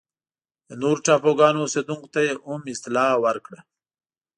د نورو ټاپوګانو اوسېدونکو ته یې هم اطلاع ورکړه.